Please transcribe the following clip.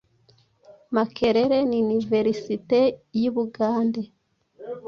Makerere niniverisite yibugande